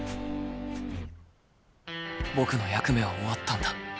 僕の役目は終わったんだ